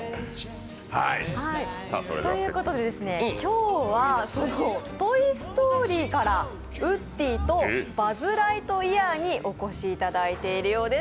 今日はその「トイ・ストーリー」から、ウッディとバズ・ライトイヤーにお越しいただいているようです。